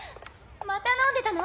また飲んでたの？